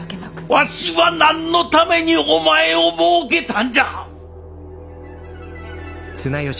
わしは何のためにお前をもうけたんじゃ！